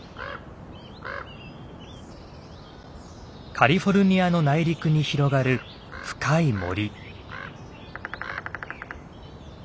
カリフォルニアの内陸に広がる深い森。